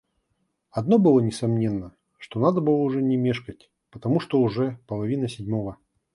Одно было несомненно, что надо было не мешкать, потому что уже половина седьмого.